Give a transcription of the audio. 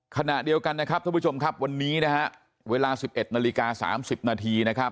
ขณะเดียวกันนะครับท่านผู้ชมครับวันนี้นะฮะเวลา๑๑นาฬิกา๓๐นาทีนะครับ